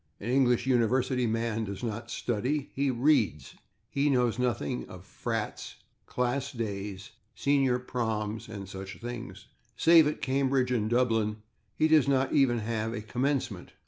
An English university man does not /study/; he /reads/. He knows nothing of /frats/, /class days/, /senior proms/ and such things; save at Cambridge and Dublin he does not even have a /commencement